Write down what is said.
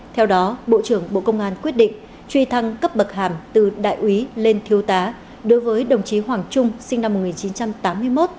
theo đó bộ trưởng bộ công an quyết định truy thăng cấp bậc hàm từ đại úy lên thiếu tá đối với đồng chí hoàng trung sinh năm một nghìn chín trăm tám mươi một